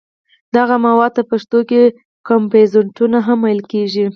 دغه موادو ته په پښتو کې کمپوزیتونه هم ویل کېږي.